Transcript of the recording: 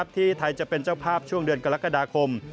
ที่ไทยจะเป็นเจ้าภาพช่วงเดือนกรกฎาคม